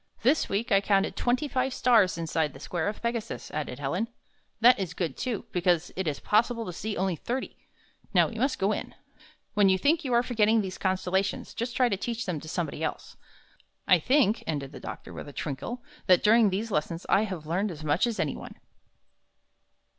"This week I counted twenty five stars in side the Square of Pegasus," added Helen. "That is good, too, because it is possible to see only thirty. Now we must go in. When 56 I found this on . 07 5^ou think you are forgetting these constella tions just try to teach them to somebody else. I think'' ended the doctor, mth a twinkle, ''that during these lessons I have learned as much as any one."